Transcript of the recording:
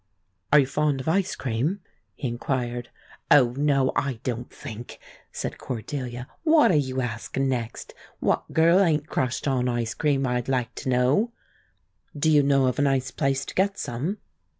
"Are you fond of ice cream?" he inquired. "Oh no; I don't think," said Cordelia. "What'll you ask next? What girl ain't crushed on ice cream, I'd like to know?" "Do you know of a nice place to get some?"